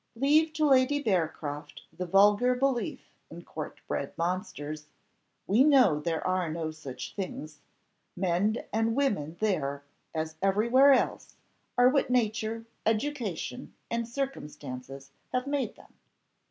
Leave to Lady Bearcroft the vulgar belief in court bred monsters; we know there are no such things. Men and women there, as everywhere else, are what nature, education, and circumstances have made them.